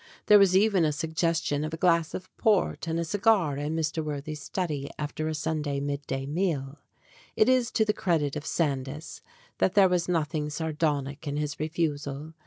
There was even a suggestion of a glass of port and a cigar in Mr. Worthy's study after a Sunday midday meal; it is to the credit of Sandys that there was nothing sardonic in his refusal.